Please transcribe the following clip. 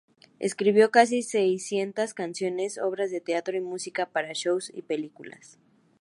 Escribió casi seiscientas canciones, obras de teatro y música para shows y películas.